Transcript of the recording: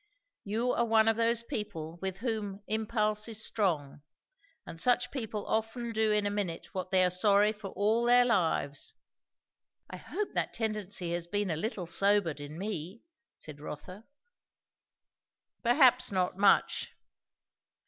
"You are one of those people with whom impulse is strong; and such people often do in a minute what they are sorry for all their lives." "I hope that tendency has been a little sobered in me," said Rotha. "Perhaps not much."